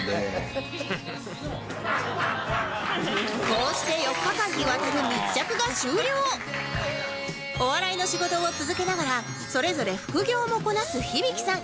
こうして４日間にわたるお笑いの仕事を続けながらそれぞれ副業もこなす響さん